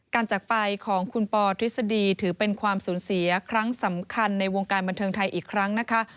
จากไปของคุณปอทฤษฎีถือเป็นความสูญเสียครั้งสำคัญในวงการบันเทิงไทยอีกครั้งนะคะ